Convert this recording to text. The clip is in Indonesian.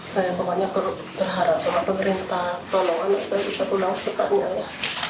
saya pokoknya berharap sama pemerintah tolong anak saya bisa pulang sebanyak